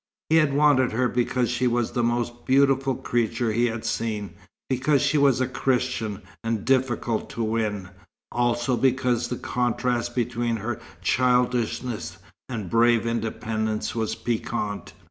He had wanted her because she was the most beautiful creature he had seen, because she was a Christian and difficult to win; also because the contrast between her childishness and brave independence was piquant.